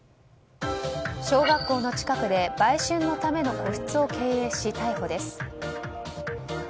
小学校の近くで売春のための個室を経営し逮捕です。